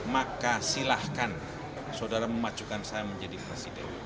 maka silahkan saudara memajukan saya menjadi presiden